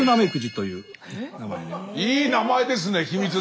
いい名前ですねヒミツ